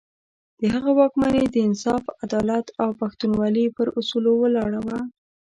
د هغه واکمني د انصاف، عدالت او پښتونولي پر اصولو ولاړه وه.